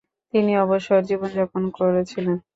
তিনি অবসর জীবনযাপন করছিলেন।